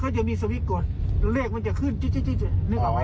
เขาจะมีสวิคกดเลขมันจะขึ้นใช่ครับ